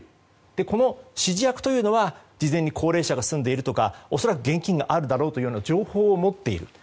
この指示役というのは、事前に高齢者が住んでいるとか恐らく現金があるだろうというような情報を持っている。